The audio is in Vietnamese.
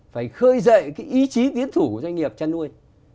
phải khơi dậy cái ý chí tiến thủ của doanh nghiệp chăn nuôi